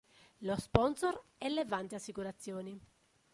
Lo sponsor è Levante Assicurazioni.